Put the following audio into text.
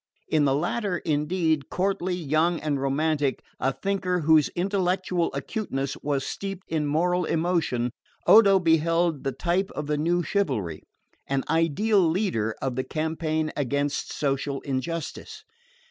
In the latter, indeed, courtly, young and romantic, a thinker whose intellectual acuteness was steeped in moral emotion, Odo beheld the type of the new chivalry, an ideal leader of the campaign against social injustice.